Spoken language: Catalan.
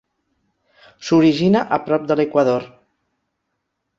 S'origina a prop de l'equador.